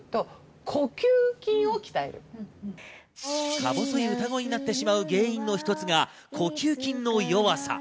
か細い歌声になってしまう原因の一つが呼吸筋の弱さ。